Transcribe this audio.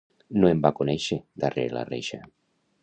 No em va conèixer, darrere la reixa.